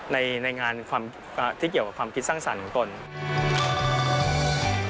ในงานความที่เกี่ยวกับความคิดสร้างสรรค์ของตน